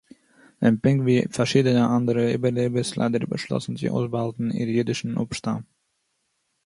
און פּונקט ווי פאַרשידענע אַנדערע איבערלעבערס ליידער באַשלאָסן צו אויסבאַהאַלטן איר אידישן אָפּשטאַם